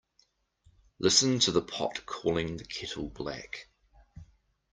Listen to the pot calling the kettle black.